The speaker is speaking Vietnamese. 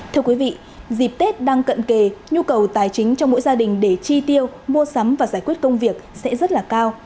thưa quý vị dịp tết đang cận kề nhu cầu tài chính cho mỗi gia đình để chi tiêu mua sắm và giải quyết công việc sẽ rất là cao